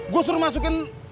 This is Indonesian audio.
gue suruh masukin